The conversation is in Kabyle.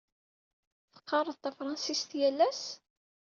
Teqqared tafṛensist yal ass?